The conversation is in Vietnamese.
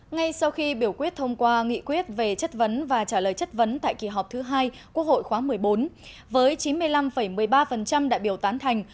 ngay sau khi biểu quyết thông qua nghị quyết về chất vấn và trả lời chất vấn tại kỳ họp thứ hai quốc hội khóa một mươi bốn với chín mươi năm một mươi ba đại biểu tán thành